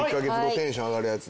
テンションが上がる事。